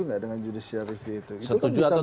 nggak dengan judicial review itu setuju atau